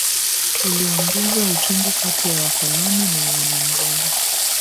iliongeza uchungu kati ya wakoloni na wanamgambo